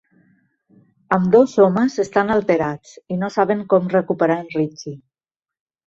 Ambdós homes estan alterats, i no saben com recuperar en Richie.